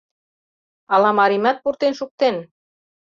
Ала марийымат пуртен шуктен?..